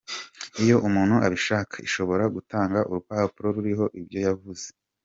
Iyo umuntu abishaka, ishobora gutanga urupapuro ruriho ibyo yavuze.